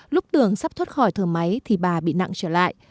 lúc đường sắp thoát khỏi thờ máy thì bà bị nặng trở lại